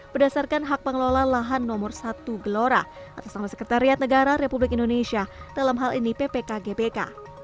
berdasarkan hak pengelola lahan nomor satu gelora atas nama sekretariat negara republik indonesia dalam hal ini ppkgbk